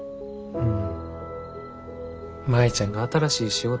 うん。